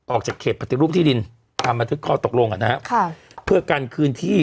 ออกจากเขตปฏิรูปที่ดินทำมาถึงข้อตกลงกันนะฮะเพื่อกันคืนที่